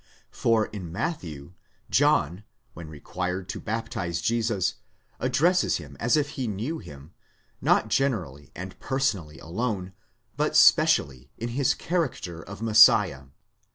For in Matthew, John, when required to baptize Jesus, addresses him as if he knew him, not generally and personally alone, but specially, in his character of Messiah.